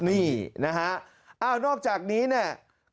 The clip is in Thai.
นี่นะฮะอ้าวนอกจากนี้เนี่ย